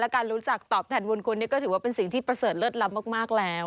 และการรู้จักตอบแผ่นวนคุณก็ถือว่าเป็นสิ่งที่ประเสริฐเลิศรัพย์มากแล้ว